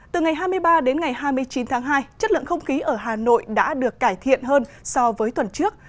từ ngày hai mươi ba đến ngày hai mươi chín tháng hai chất lượng không khí ở hà nội đã được cải thiện hơn so với tuần trước